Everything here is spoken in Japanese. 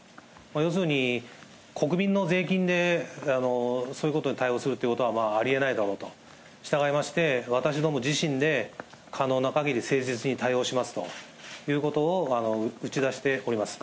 要するに国民の税金でそういうことに対応するということはありえないだろうと、従いまして、私ども自身で可能なかぎり誠実に対応しますということを、打ち出しております。